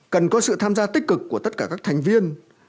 cần có sự tham gia tích cực của tất cả các thành viên